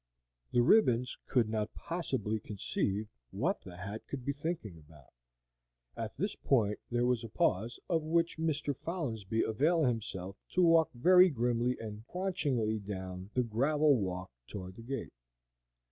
The ribbons could not possibly conceive what the hat could be thinking about. At this point there was a pause, of which Mr. Folinsbee availed himself to walk very grimly and craunchingly down the gravel walk toward the gate.